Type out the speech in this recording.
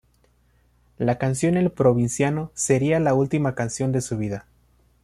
La canción El Provinciano sería la última canción de su vida.